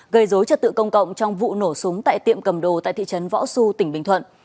gây dối trật tự công cộng trong vụ nổ súng tại tiệm cầm đồ tại thị trấn võ xu tỉnh bình thuận